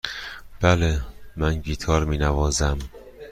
بله، من گیتار می نوازم.